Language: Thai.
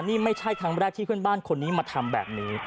นี่ไม่ใช่ครั้งแรกที่เพื่อนบ้านคนนี้มาทำแบบนี้